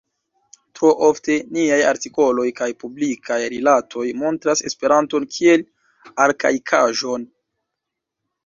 Tro ofte, niaj artikoloj kaj publikaj rilatoj montras Esperanton kiel arkaikaĵon.